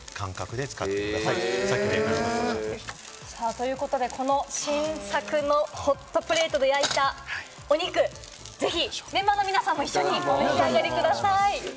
ということで、新作のホットプレートで焼いたお肉、ぜひメンバーの皆さんも一緒にお召し上がりください。